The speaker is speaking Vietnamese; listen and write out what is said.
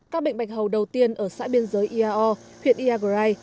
các bệnh bạch hầu đầu tiên ở xã biên giới iao huyện iagrai